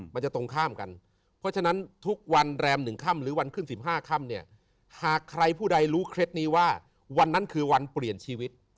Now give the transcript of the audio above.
มันจะตรงข้ามกันเพราะฉะนั้นทุกวันแรม๑ค่ำหรือวันขึ้น๑๕ค่ำเนี่ยหากใครผู้ใดรู้เคล็ดนี้ว่าวันนั้นคือวันเปลี่ยนชีวิต